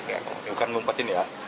lalu kamu ngumpetin ya